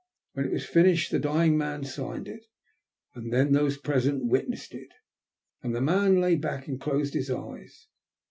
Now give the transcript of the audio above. When it was finished the dying man signed it, and then those present witnessed it, and the man lay back and closed his eyes.